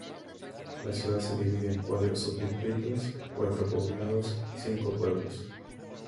La ciudad se divide en cuatro subdistritos, cuatro poblados y cinco pueblos.